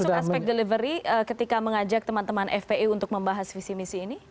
termasuk aspek delivery ketika mengajak teman teman fpi untuk membahas visi misi ini